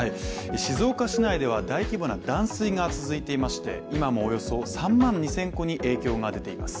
静岡市内では大規模な断水が続いていまして、今もおよそ３万２０００戸に影響が出ています。